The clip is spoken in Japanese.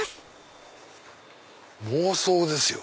「妄想」ですよ。